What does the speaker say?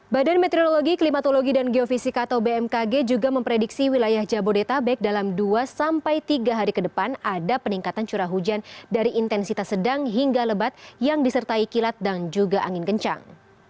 badan meteorologi klimatologi dan geofisika atau bmkg juga memprediksi wilayah jabodetabek dalam dua sampai tiga hari ke depan ada peningkatan curah hujan dari intensitas sedang hingga lebat yang disertai kilat dan juga angin kencang